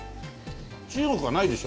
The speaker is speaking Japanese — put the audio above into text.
中国はないでしょ？